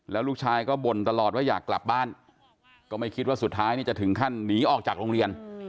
แล้วลูกชายก็บ่นตลอดว่าอยากกลับบ้านก็ไม่คิดว่าสุดท้ายนี่จะถึงขั้นหนีออกจากโรงเรียน